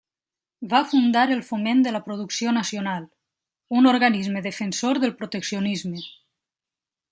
Va fundar el Foment de la Producció Nacional, un organisme defensor del proteccionisme.